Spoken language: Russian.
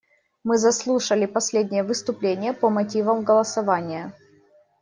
Мы заслушали последнее выступление по мотивам голосования.